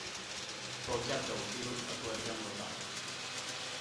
Pel cap del fil aclarirem la troca.